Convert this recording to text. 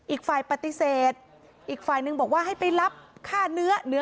อีกฝ่ายปฏิเสธอีกฝ่ายนึงบอกว่าให้ไปรับค่าเนื้อเนื้อ